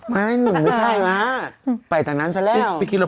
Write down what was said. ก็คงพอดีกันมั้งไม่เป็นไรหรอกครับ